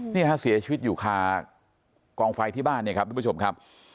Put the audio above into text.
นี่ฮะเสียชีวิตอยู่คากองไฟที่บ้านเนี่ยครับทุกผู้ชมครับ